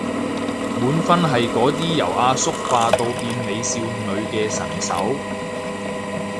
滿分係嗰啲由阿叔化到變美少女嘅神手